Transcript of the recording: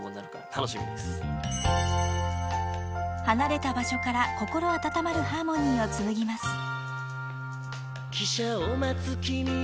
［離れた場所から心温まるハーモニーを紡ぎます］